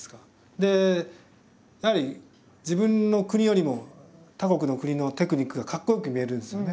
でやはり自分の国よりも他国の国のテクニックがかっこよく見えるんですよね。